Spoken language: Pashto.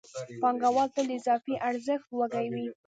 پانګوال تل د اضافي ارزښت وږی وي